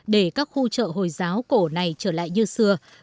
để các khu chợ hồi giáo cổ này trở lại như xưa các công ty xây dựng đang nỗ lực